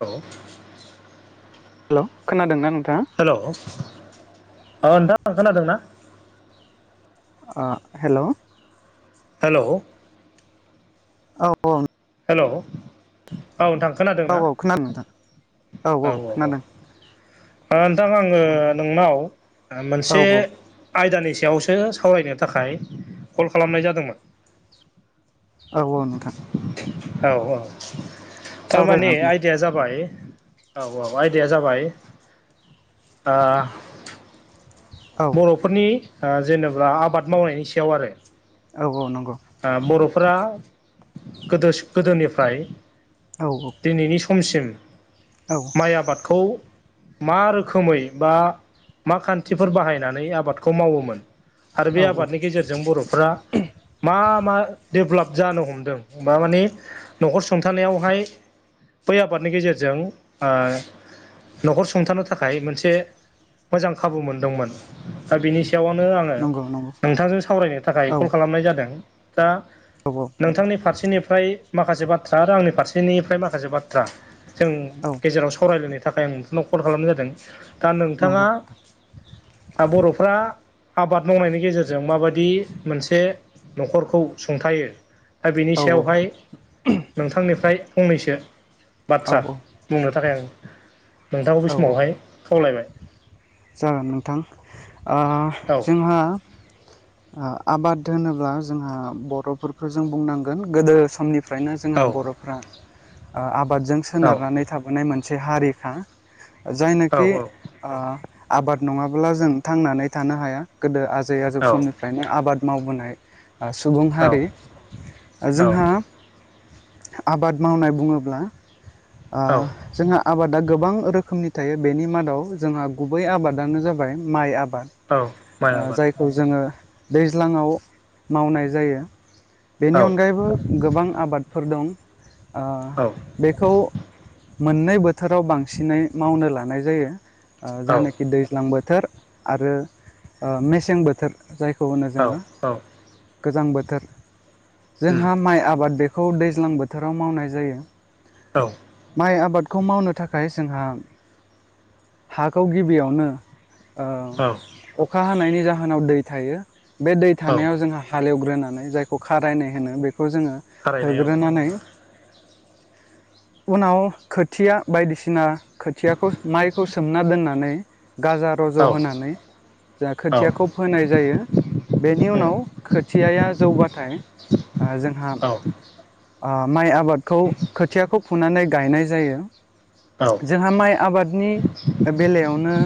औ हेल' खोनादोंना नोंथाङा? हेल' अ नोंथांं खोनादों ना? आ हेल' हेल' औ औ हेलौ औ नोंथां खोनादों औ ना औ खोनादों नोंथां औ औ औ ओ नोंथां आङो नोंनाव औ मोनसे आयदानि सायावसो सावरायनो थाखाय कल खालामनाय जादोंमोन औ औ नोंथां औ औ थारमाने सावरायगोन दे आयदाया जाबाय औ औ आयदाया जाबाय ओ औ नखरनि ओ जेनेबा आबाद मावनायनि सायाव आरो। औ औ नंगौ ओ बर'फोरा गोदो गोदोनिफ्राय औ औ दिनैनि समसिम औ माइ आबादखौ मा रोखोमै बा मा खान्थिफोर बाहाय नायनानै आबादखौ मावोमोन आरो औ बे औ आबादनि गेजेरजों बर'फ्रा मा मा डेभेलप जानो हमदों मा माने न'खर सुंथानायावहाय बै आबादनि गेजेरजों ओ न'खर सुंथानो थाखाय मोनसे मोजां खाबु मोनदोंमोन दा बिनि सायावनो आङो नंगौ नंगौ नोंथांजों सावरायनो थाखाय औ कल खालामनाय जादों दा औ औ नोंथां नोंथांनि फारसेनिफ्राय माखासे बाथ्रा आरो आंनि फारसेनिफ्राय माखासे बाथ्रा जों औ गेजेराव सावरायलायनो थाखाय आं नोंथांनाव कल खालामनाय जादों दा नोंथाङा नंगौ दा बर'फ्रा आबाद मावनायनि गेजेरजों माबायदि मोनसे न'खरखौ सुंथायो दा बिनि औ सायावहाय नोंथांनिफ्राय फंनैसो बाथ्रा औ बुंनो थाखाय आं नोंथांखौ बै औ समावहाय खावलायबाय जागोन नोंथां ओ औ जोंहा आबाद होनोब्ला जोंहा बर'फोरखौ जों बुंनांगोन गोदो समनि फ्रायनो जोंहा औ बर'फ्रा ओ आबादजों औ सोनारनानै थाबोनाय मोनसे हारिखा। जायनोखि ओ आबाद नङाब्ला जों थांनानै थानो हाया। गोदो आजै आजौ औ समनिफ्रायनो आबाद मावबोनाय सुबुं औ हारि जोंहा औ आबाद मावनाय बुङोब्ला ओ औ जोंहा आबादा गोबां रोखोमनि थायो बेनि मादाव जोंहा गुबै आबादानो जाबाय माइ आबाद। औ माइ ओ आबाद जायखौ जोङो दैज्लाङाव मावनाय जायो। बेनि औ अनगायैबो गोबां आबादफोर दं औ ओ बेखौ मोननै बोथोराव बांसिनै मावनो लानाय जायो ओ औ जानोखि दैज्लां बोथोर आरो ओ मेसें बोथोर जायखौ होनो औ जोङो। औ गोजां बोथोर उम जोंहा माइ आबाद बेखौ दैज्लां बोथोराव मावनाय जायो। औ माइ आबादखौ मावनो थाखाय जोंहा हाखौ गिबियावनो औ ओ अखा हानायनि जाहोनाव दै थायो बे दै औ थानायाव जोंहा हालेवग्रोनानै जायखौ खारायनाय होनो बेखौ जोङो थारैनो होग्रोनानै उनाव खोथिया बायदिसिना खोथियाखौ माइखौ सोमना दोननानै गाजा रज' औ होनानै जा औ खोथियाखौ फोनाय जायो बेनि उम उनाव खोथियाया जौबाथाय ओ जोंहा औ ओ माइ आबादखौ खोथियाखौ फुनानै गायनाय जायो। औ जोंहा माइ आबादनि बेलायावनो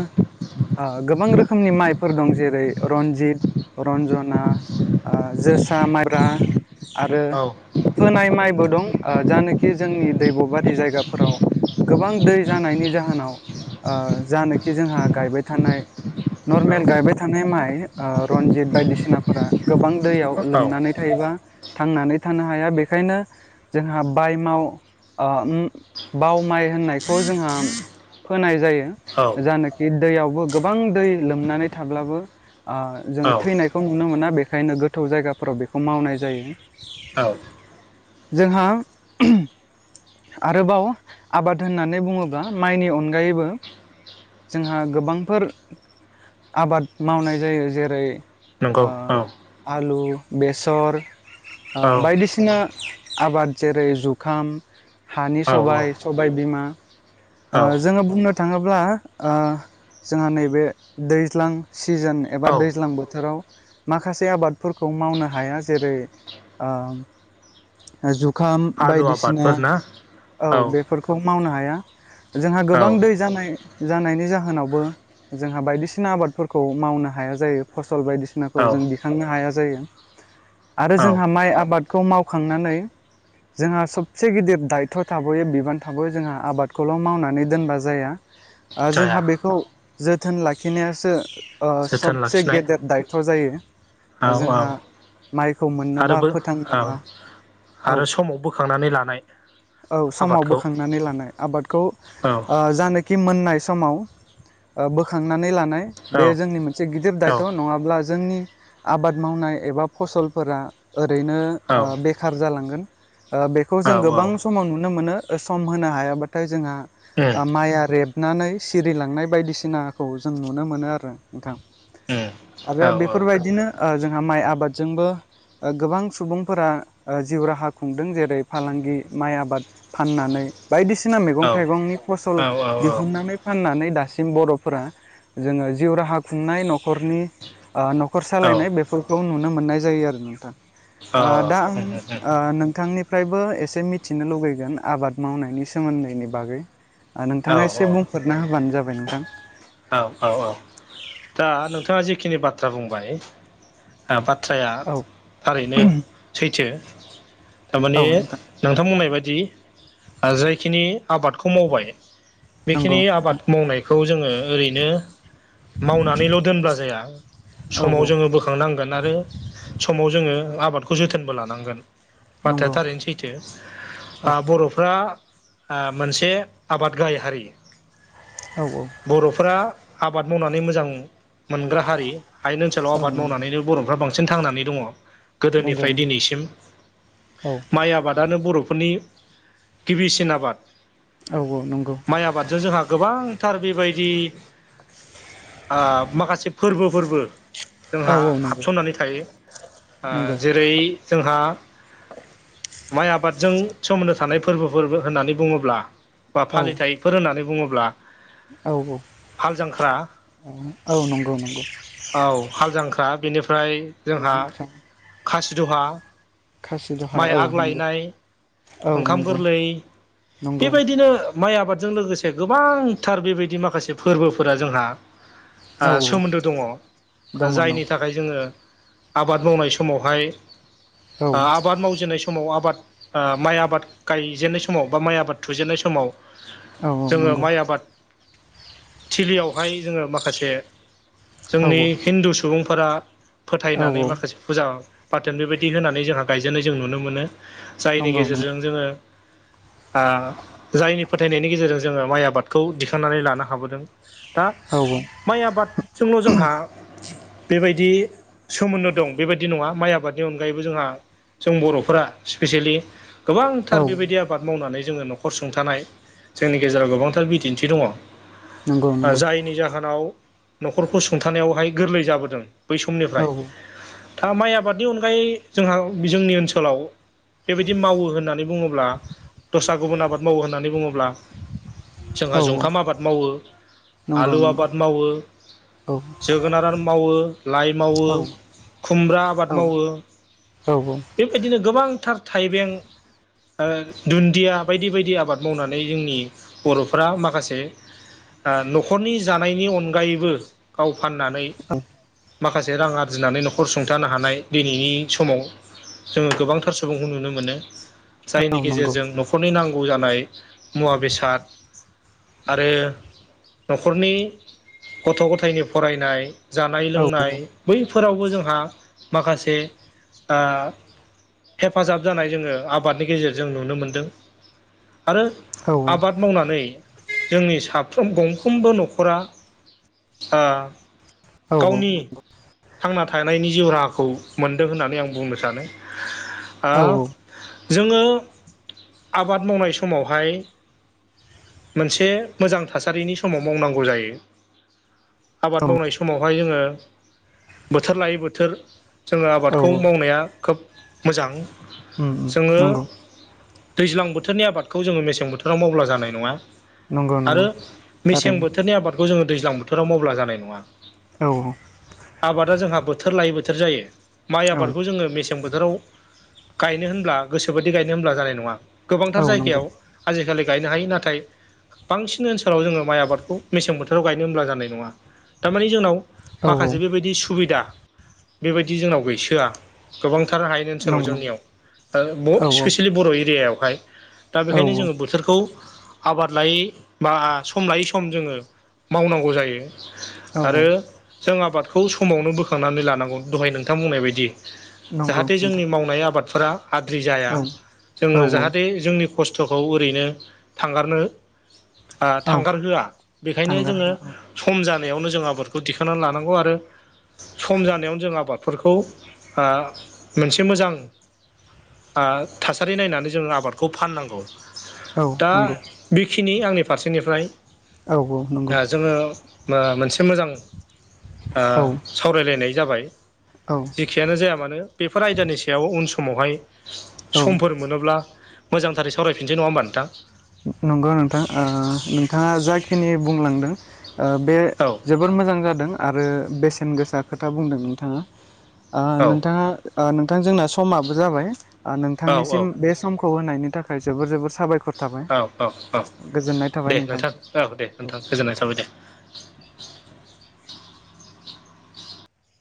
गोबां रोखोमनि माइफोर दं जेरै रन्जित रन्जन जोसा माइब्रा आरो औ फोनाय माइबो दं ओ जानाखि जोंनि दैब' बारि जायगाफोराव गोबां दै जानायनि जाहोनाव ओ‌ जानोखि जोंहा गायबाय थानाय नर्मेल गायबाय थानाय माइ रनजित बायदिसिना फोरा गोबां दैयाव लोमनानै थायोबा थांनानै थानो हाया बेखायनो जोंहा बायमाव ओ बाव माइ होननायखौ जोंहा फोनाय जायो। औ जानाखि दैयावबो गोबां दै लोमनानै थाब्लाबो जोङो औ थैनायखौ नुनो मोना बेखायनो गोथौ जायगाफोराव बेखौ मावनाय जायो औ जोंहा आरोबाव आबाद होननानै बुङोब्ला माइनि अनगायैबो जोंहा गोबांफोर आबाद मावनाय जायो जेरै नंगौ औ आलु बेसर औ बायदिसिना आबाद जेरै जुखाम हानि औ सबाय सबाय बिमा औ जोङो बुंनो थाङोब्ला जोंहा नैबे दैज्लां सिजोन एबा औ दैज्लां बोथोराव माखासे आबादफोरखौ मावनो हाया जेरै जुखाम आलु बायदिसिना आबादफोर ना औ बेफोरखौ मावनो हाया। जोंहा औ गोबां दै जानाय जानायनि जाहोनावबो जोंहा बायदिसिना आबादफोरखौ मावनो हाया जायो फसल बायदिसि औ नाखौ जों दिखांनो हाया जायो। आरो औ जोंहा माइ आबादखौ मावखांनानै जोंहा सब से गिदिर दायथ' थाबोयो बिबान थाबोयो जोंहा आबादखौल' मावनानै दोनबा जाया ओ जाया जोंहा बेखौ जोथोन लाखिनायासो जोथोन सबसे लाखिनाय गेदेर दायथ' जायो। औ औ जोंहा माइखौ मोननोबा आरोबो औ फोथांनोबा औ आरो समाव बोखांनानै लानाय औ समाव आबादखौ बोखांनानै लानाय आबादखौ औ जानो खि मोननाय समाव बोखांनानै लानाय औ बे जोंनि मोन से गिदिर औ दायथ' नङाब्ला जोंनि आबाद मावनाय एबा फसलफोरा ओरैनो बेखार जालांगोन बेखौ औ जों गोबां उम समाव नुनो मोनो सम होनो हायाबाथाय जोंहा माइया रेब नानै सिरिलांनाय बायदिसिनाखौ जों नुनो मोनो आरो नोंथां। उम आरो औ औ बेफोरबायदिनो जोंहा माइ आबादजोंबो गोबां सुबुंफोरा जिउ राहा खुंदों जेरै फालांगि माइ आबाद फाननानै बायदिसिना मैगं औ थाइगंनि फसल औ दिहुननानै फाननानै दासिम बर'फोरा जोङो जिउ राहा खुंनाय न'खरनि ओ न'खर औ सालायनाय बेफोरखौ नुनो मोननाय जायो आरो नोंथां। ओ दा आं ओ नोंथांनि फ्रायबो एसे मिथिनो लुगैगोन आबाद मावनायनि सोमोन्दैनि बागै। ओ औ नोंथाङा एसे बुंफोरना होबानो जाबाय नोंथां। औ औ औ दा नोंथाङा जिखिनि बाथ्रा बुंबाय आ बाथ्राया औ थारैनो सैथो थारमाने नोंथां बुंनाय बायदि ओ जायखिनि आबादखौ मावबाय बेखिनि नंगौ आबाद नोंथां मावनायखौ जोङो ओरैनो मावना नैल' दोनब्ला जाया औ समाव औ जोङो होनांगोन आरो समाव जोङो आबादखौ जोथोनबो लानांगोन बाथ्राया नंगौ थारैनो सै थो औ आ बर'फ्रा आ मोनसे आबाद गाहाइ हारि। औ औ। बर'फोरा आबाद मावनानै मोजां मोनग्रा हारि। हायेन ओनसोलाव औ आबाद नंगौ मावनानैनो बर'फ्रा बांसिन थांनानै दङ। नंगौ गोदोनिफ्राय नंगौ दिनैसिम औ माइ आबादानो बर'फोरनि गिबिसिन आबाद। औ औ नंगौ। माइ आबादजों जोंहा गोबांथार बेबायदि आ फोरबो फोरबो औ जोंहा औ नंगौ हाबसननानै थायो आ नंगौ जेरै जोंहा माइ आबादजों सोमोन्दो थानाय फोरबोफोरबो होननानै बुङोब्ला बा औ फालिथायफोर होननानै बुङोब्ला औ हाल जांख्रा औ औ नंगौ नंगौ। औ हाल जांख्रा बेनिफ्राय हाल जोंहा जांख्रा खासिदहा खासि दहा माइ औ नंगौ आग्लायनाय औ ओंखाम नंगौ गोरलै नंगौ बेबायदिनो माइ आबादजों लोगोसे गोबांथार बेबायदि माखासे फोरबोफोरा जोंहा आ औ सोमोन्दो दङ दङ दं जायनि थाखाय -‍- जोङो आबाद मावनाय समावहाय औ आ आबाद मावजेननाय स माव आबाद आ माइ आबाद गायजेननाय समाव बा माइ आबाद थुजेनन्नाय समाव औ जोङो नंगौ माइ आबाद थिलियावहाय जोङो माखासे औ जोंनि हिन्दु सुबुंफोरा औ फोथायनानै माखासे फुजा बा थोन बेबायदि होनानै जोंहा गायजेननाय जों नुनो मोनो। जायनि नंगौ नंगौ गेजेरजों जोङो आ जायनि फोथायनायनि गेजेरजों जोङो माइ आबादखौ दिखांनानै लानो हाबोदों दा औ। माइ आबादजोंल' जोंहा बेबायदि सोमोन्दो दं बेबायदि नङा माइ आबादनि अनगायैबो जोंहा जों बर'फोरा स्पेसियेलि औ गोबांथार बेबायदि आबाद मावनानै जोङो न'खर सुंथानाय जोंनि गेजेराव गोबांथार बिदिन्थि दङ। नंगौ ओ नंगौ जायनि जाहोनाव न'खरखौ सुंथानायावहाय गोरलै जाबोदों बै औ समनिफ्राय था माइ आबादनि अनगायै जोंहा जोंनि ओनसोलाव बेबायदि मावो होननानै बुङोब्ला दस्रा गुबुन आबाद मावो होननानै बुङोब्ला औ जोंहा जंखाम आबाद मावो, नंगौ आलु नंगौ आबाद मावो, औ जोगोनार आर मावो, लाइ मावो, औ खुमब्रा आबाद मावो, औ औ। बेबायदिनो गोबांथार थाइबें दुन्दिया बायदि बायदि आबाद मावनानै जोंनि बर'फोरा माखासे न'खरनि जानायनि अनगायैबो गाव फाननानै नंगौ माखासे रां आरजिनानै न'खर सुंथानो हानाय दिनैनि समाव जोङो गोबांथार सुबुंखौ नुनो मोनो जायनि गेजेरजों न'खरनि नांगौ जानाय मुवा बेसाद आरो न'खरनि गथ' गथायनि फरायनाय जानाय औ औ लोंनाय बैफोरावबो जोंहा माखासे हेफाजाब जानाय जोङो आबादनि गेजेरजों नुनो मोनदों आरो औ आबाद मावनानै जोंनि साफ्रोम गंफ्रोमबो न'खरा गावनि थांना थानायनि जिउ राहाखौ मोनदों होननानै आं बुंनो सानो जोङो आबाद मावनाय समावहाय मोनसे मोजां थासारिनि समाव मावनांगौ जायो आबाद मावनाय समावहाय जोङो बोथोर लायै बोथोर जोङो औ आबादखौ औ मावनाया खोब मोजां उम उम जोङो नंगौ दैज्लां बोथोरनि आबादखौ जोङो मेसें बोथोराव मावब्ला जानाय नङा नंगौ आरो नंगौ मेसें थारैनो बोथोरनि आबादखौ जोङो दैज्लां बोथोराव मावब्ला जानाय नङा औ आबादा जोंहा बोथोर लायै बोथोर जायो माइ औ आबादखौ जोङो मेसें बोथोर हाजोराव गायनो होनब्ला गोसोोबायि गायनो होनब्ला जानाय नङा औ गोबांथार नंगौ जायगायाव आजिखालि गायनो हायो नाथाय बांसिन ओनसोलाव जोङो माइ आबादखौ मेसें बोथोर बेाव गायनो हब्ला जानाय नङा थारमानिे जोंनाव औ औ माखासे बेबायदि सुबिदा बेबायदि जोंनाव गैसोआ गोबांथार हायनि ओनसोलाव नंगौ नंगौ जोंनियाव दा औ स्पेसियेलि बर' एरियायावहाय दा औ बेखायनो जोङो बोथोरखौ आबाद लायै बा सम लायै सम जोङो मावनांगौ जायो औ आरो जों आबादखौ समावनो बोखांनानै लानांगौ दहाय नोंथां बुंनाय बायदि नंगौ जाहाथे नोंथां जोंनि मावनाय आबादफोरा आद्रि जाया औ औ जोङो जाहाथे जोंनि खस्थ'खौ ओरैनो थांगारनो औ थांगारहोआ बेखायनो थांगार जोङो होला औ सम जानायावनो जों आबादखौ दिखांनानै लानांगौ आरो सम जानायावनो जों आबादफोरखौ मोनसे मोजां थासारि नायनानै जोङो आबादखौ फाननांगौ औ दा नंगौ बेखिनि आंनि फारसेनिफ्राय आग जोङो मोनसे मोजां औ सावरायलायनाय जाबाय औ जखनो जाया मानो बेफोर आयदानि सायाव उन समावहाय समफोर मोनोब मोजांथार सावरायफिसै नङा ह होनबा नोंथां नंगौ नोंथां नोंथाङा जाखिनि बुंलांदों बे औ जोबोर मोजां जादों आरो बेसेन गोसा खोथा बुंदों नोंथाङा औ नोंथाङा नोंथां जोंना समाबो जाबाय औ नोंथांनिसिम बे समखौ होनायनि थाखाय थाखाय जोबोर जोबोर साबायखर थाबाय औ औ-औ गोजोननाय थाबाय दे नोंथांसिम। नोंथां औ दे नोंथां गोजोननाय थाबाय दे